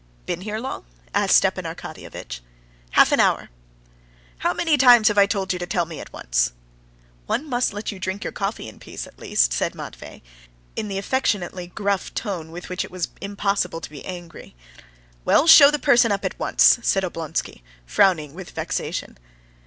"Been here long?" asked Stepan Arkadyevitch. "Half an hour." "How many times have I told you to tell me at once?" "One must let you drink your coffee in peace, at least," said Matvey, in the affectionately gruff tone with which it was impossible to be angry. "Well, show the person up at once," said Oblonsky, frowning with vexation.